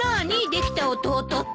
できた弟って。